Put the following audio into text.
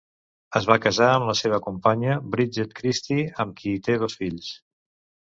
Es va casar amb la seva companya Bridget Christie, amb qui té dos fills.